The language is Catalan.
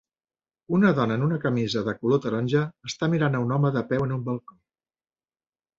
Una dona en una camisa de color taronja està mirant a un home de peu en un balcó.